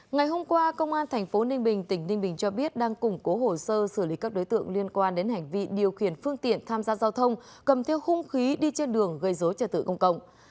ngày hôm qua công an tp ninh bình tỉnh ninh bình cho biết đang củng cố hồ sơ xử lý các đối tượng liên quan đến hành vi điều khiển phương tiện tham gia giao thông cầm theo khung khí đi trên đường gây dối trật tự công cộng